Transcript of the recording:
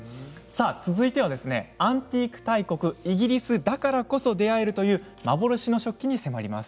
続いてはアンティーク大国イギリスだからこそ出会えるという幻の食器に迫ります。